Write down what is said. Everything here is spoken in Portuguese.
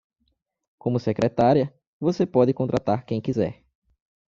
Como secretária, você pode contratar quem quiser.